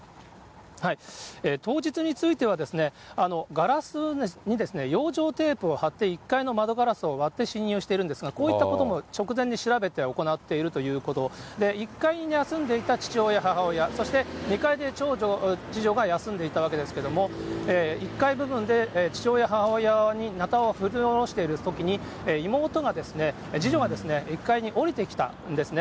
当日については、ガラスに養生テープを貼って１階の窓ガラスを割って侵入しているんですが、こういったことも直前に調べて行っているということ、１階に休んでいた父親、母親、そして２階で長女、次女が休んでいたわけですけれども、１階部分で父親、母親になたを振り下ろしているときに、妹が、次女が１階に下りてきたんですね。